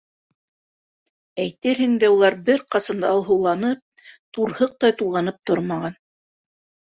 Әйтерһең дә, улар бер ҡасан да алһыуланып, турһыҡтай тулғанып тормаған.